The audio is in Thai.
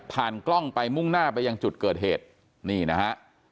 กล้องไปมุ่งหน้าไปยังจุดเกิดเหตุนี่นะฮะ